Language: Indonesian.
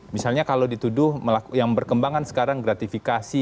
misalnya kalau dituduh yang berkembang kan sekarang gratifikasi